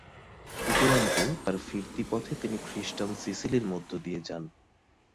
উপরন্তু তার ফিরতি পথে তিনি খ্রিষ্টান সিসিলির মধ্য দিয়ে যান।